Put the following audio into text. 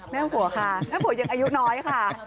แม่ผัวค่ะแม่ผัวยังอายุน้อยค่ะ